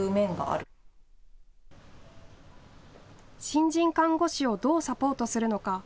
新人看護師をどうサポートするのか。